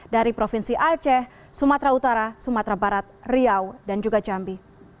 dari provinsi aceh sumatera utara sumatera barat riau dan juga jambi